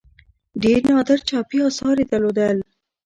ډېر نادر چاپي آثار یې درلودل.